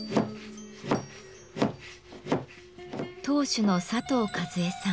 当主の佐藤和衛さん。